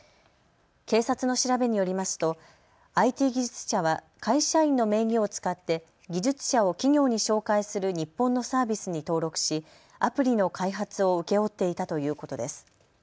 警察の調べによりますとＩＴ技術者は会社員の名義を使って技術者を企業に紹介する日本のサービスに登録しアプリの開発を請け負っていたということです。